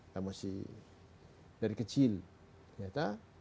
saya masih dari kecil ternyata